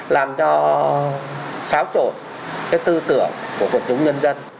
làm cho xáo trộn cái tư tưởng của cuộc chúng nhân dân